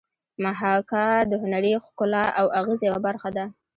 محاکات د هنري ښکلا او اغېز یوه برخه ده